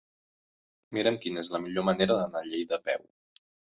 Mira'm quina és la millor manera d'anar a Lleida a peu.